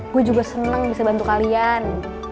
gue juga senang bisa bantu kalian